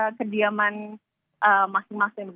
untuk kemudian nanti langsung diantar ke kediaman masing masing